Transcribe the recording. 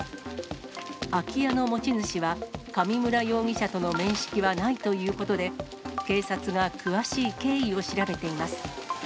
空き家の持ち主は、上村容疑者との面識はないということで、警察が詳しい経緯を調べています。